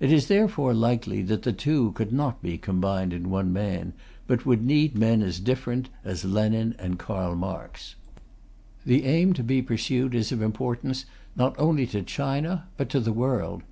It is therefore likely that the two could not be combined in one man, but would need men as different as Lenin and Karl Marx. The aim to be pursued is of importance, not only to China, but to the world.